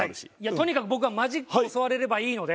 とにかく僕はマジックを教われればいいので。